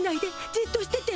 じっとしてて。